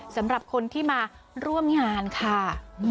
สำหรับคนที่มาร่วมงานค่ะ